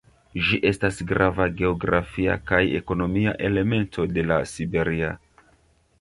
Ĝi estas grava geografia kaj ekonomia elemento de La Siberia.